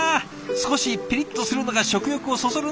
少しピリッとするのが食欲をそそるんですよね。